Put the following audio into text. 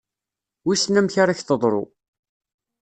Wissen amek ara ak-teḍru.